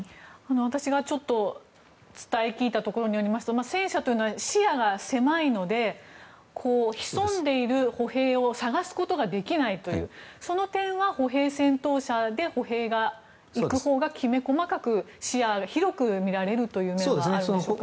私が伝え聞いたところによりますと戦車というのは視野が狭いので潜んでいる歩兵を探すことができないというその点は、歩兵戦闘車で歩兵が行くほうがきめ細かく視野を広く見られるという面があるんですか？